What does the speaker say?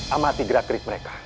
amati gerak gerik mereka